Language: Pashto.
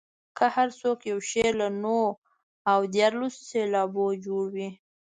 که هر څو یو شعر له نهو او دیارلسو سېلابونو جوړ وي.